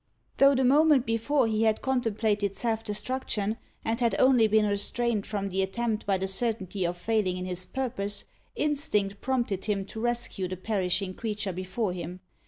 Though, the moment before, he had contemplated self destruction, and had only been restrained from the attempt by the certainty of failing in his purpose, instinct prompted him to rescue the perishing creature before him.